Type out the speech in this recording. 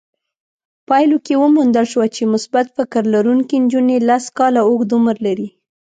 پايلو کې وموندل شوه چې مثبت فکر لرونکې نجونې لس کاله اوږد عمر لري.